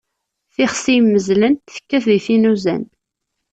Tixsi immezlen, tekkat di tin uzan.